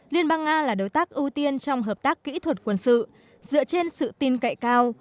liên bang nga là đối tác ưu tiên trong hợp tác kỹ thuật quân sự dựa trên sự tin cậy cao